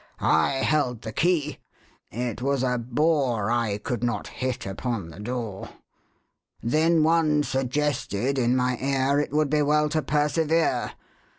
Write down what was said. I held the key; it was a bore I could not hit upon the door. Then One suggested, in my ear, It would be well to persevere.